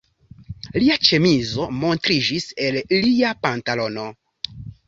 Lia ĉemizo montriĝis el lia pantalono.